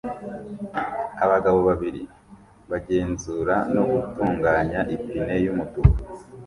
Abagabo babiri bagenzura no gutunganya ipine yumutuku